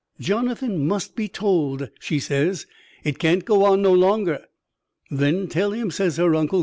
"Jonathan must be told," she says. "It can't go on no longer." "Then tell him," says her uncle.